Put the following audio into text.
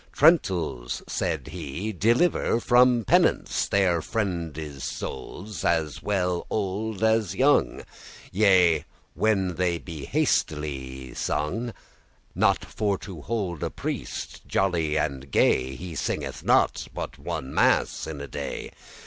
"Trentals," said he, "deliver from penance Their friendes' soules, as well old as young, Yea, when that they be hastily y sung, — Not for to hold a priest jolly and gay, He singeth not but one mass in a day.